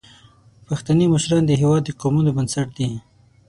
پښتني مشران د هیواد د قومونو بنسټ دي.